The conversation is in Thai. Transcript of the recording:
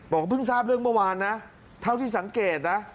เพิ่งทราบเรื่องเมื่อวานนะเท่าที่สังเกตนะ